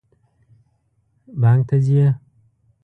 بانک ته ځئ؟